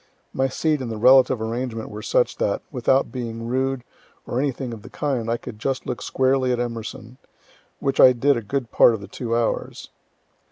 My seat and the relative arrangement were such that, without being rude, or anything of the kind, I could just look squarely at E., which I did a good part of the two hours.